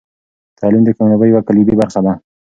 تعلیم د کامیابۍ یوه کلیدي برخه ده.